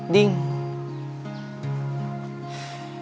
benci sama oguh